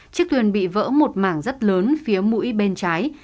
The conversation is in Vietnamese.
chiếc thuyền bị vỡ một mảng rất lớn phía mũi bên trái